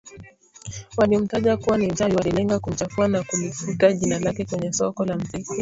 waliomtaja kuwa ni mchawi walilenga kumchafua na kulifuta jina lake kwenye soko la muziki